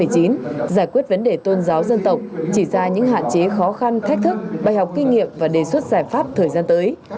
giải quyết vấn đề tôn giáo dân tộc chỉ ra những hạn chế khó khăn thách thức bài học kinh nghiệm và đề xuất giải pháp thời gian tới